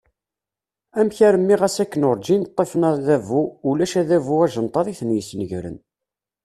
Amek armi ɣas akken urǧin ṭṭifen adabu, ulac adabu ajenṭaḍ i ten-yesnegren.